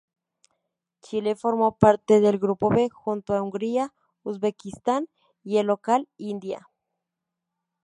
Chile formó parte del grupo B junto a Hungría, Uzbekistán y el local, India.